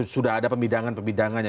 sudah ada pemidangan pemidangannya